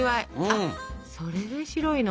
あっそれで白いの？